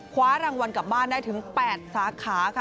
คว้ารางวัลกลับบ้านได้ถึง๘สาขาค่ะ